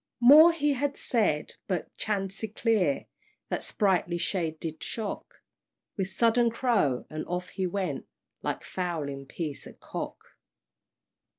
More he had said, but chanticleer The spritely shade did shock With sudden crow, and off he went, Like fowling piece at cock!